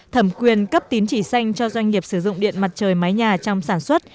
thẩm quyền cấp tín chỉ xanh cho doanh nghiệp sử dụng điện mặt trời mái nhà trong sản xuất